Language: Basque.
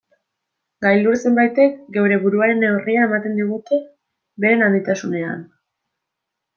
Gailur zenbaitek geure buruaren neurria ematen digute beren handitasunean.